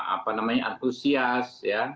apa namanya antusias